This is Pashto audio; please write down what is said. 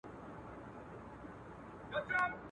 یوه بل ته یې ویله چي بیلیږو.